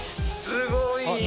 すごい！